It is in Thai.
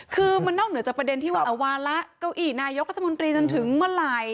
คือมันนอกเหนือจากประเด็นที่ว่าวาระเก้าอี้นายกรัฐมนตรีจนถึงเมื่อไหร่